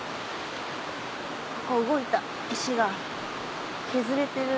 ここ動いた石が削れてる。